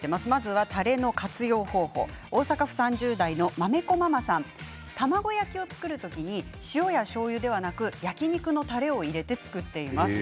たれの活用方法、大阪３０代の方卵焼きを作る時に塩やしょうゆではなく焼き肉のたれを入れて作っています。